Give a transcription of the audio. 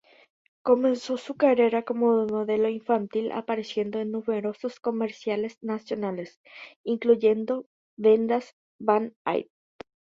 Comenzó su carrera como modelo infantil apareciendo en numerosos comerciales nacionales, incluyendo vendas Band-Aid.